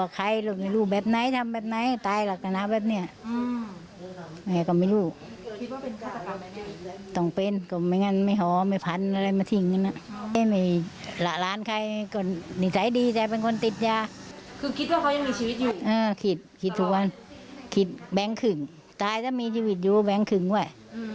คิดแบงคึ่งตายถ้ามีชีวิตอยู่แบงคึงไหว